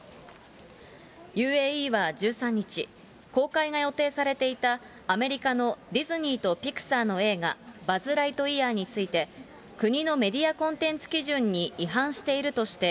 ＵＡＥは１３日、公開が予定されていたアメリカのディズニーとピクサーの映画、バズ・ライトイヤーについて、国のメディアコンテンツ基準に違反しているとして、